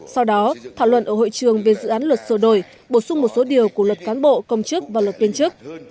sau đó thảo luận ở hội trường về dự án luật sửa đổi bổ sung một số điều của luật cán bộ công chức và luật viên chức